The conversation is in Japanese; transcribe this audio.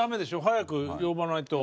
早く呼ばないと。